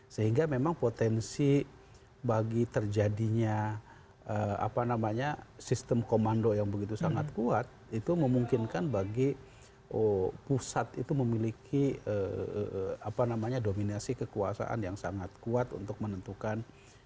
sehingga memang potensi bagi terjadinya sistem komando yang begitu sangat kuat itu memungkinkan bagi pusat itu memiliki dominasi kekuasaan yang sangat kuat untuk menentukan